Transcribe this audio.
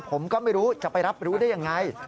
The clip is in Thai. ผมก็ไม่รู้จะไปรับรู้ได้ยังไง